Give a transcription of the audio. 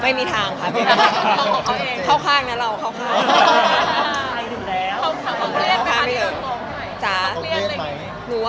อ๋ออออคุณคุณตัวเอง